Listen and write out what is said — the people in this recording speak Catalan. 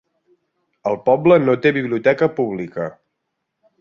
El poble no té biblioteca pública.